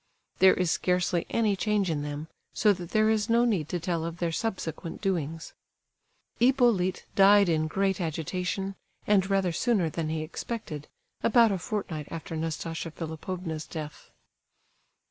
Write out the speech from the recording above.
There is scarcely any change in them, so that there is no need to tell of their subsequent doings. Hippolyte died in great agitation, and rather sooner than he expected, about a fortnight after Nastasia Philipovna's death.